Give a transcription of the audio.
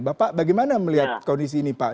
bapak bagaimana melihat kondisi ini pak